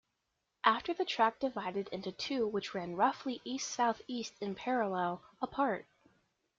After the track divided into two which ran roughly east-south-east in parallel, apart.